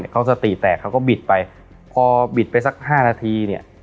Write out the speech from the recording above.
เขาสติแตกเขาก็บิดไปพอบิดไปสัก๕นาทีเนี่ย